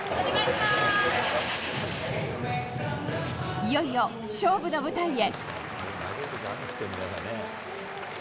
いよいよ勝負の舞台へ。